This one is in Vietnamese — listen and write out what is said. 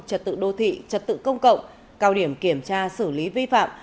trật tự đô thị trật tự công cộng cao điểm kiểm tra xử lý vi phạm